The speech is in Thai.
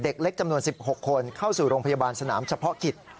เด็กเล็กจำนวน๑๖คนเข้าสู่โรงพยาบาลสนามเฉพาะกิจ